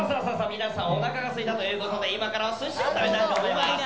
皆さんおなかがすいたという事で今からお寿司を食べたいと思います。